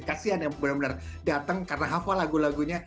kasian ya benar benar dateng karena hafal lagu lagunya